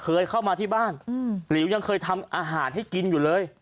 เคยเข้ามาที่บ้านหลิวยังเคยทำอาหารให้กินอยู่เลย